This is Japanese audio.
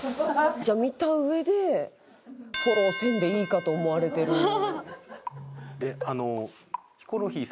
じゃあ見た上でフォローせんでいいかと思われてる。